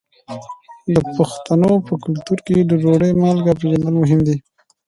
د پښتنو په کلتور کې د ډوډۍ مالګه پیژندل مهم دي.